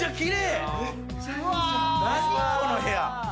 何この部屋！